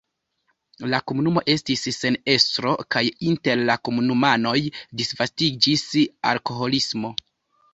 La komunumo estis sen estro kaj inter la komunumanoj disvastiĝis alkoholismo.